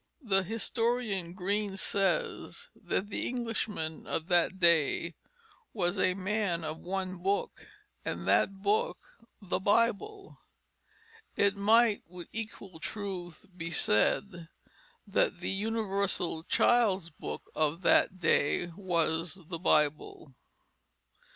The historian Green says that the Englishman of that day was a man of one book, and that book the Bible. It might with equal truth be said that the universal child's book of that day was the Bible.